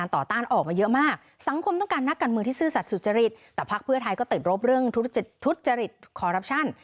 แล้วสังคมก็จะไปต่อต่าย